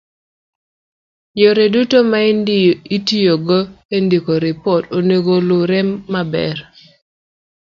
yore duto ma itiyogo e ndiko ripot onego lure maber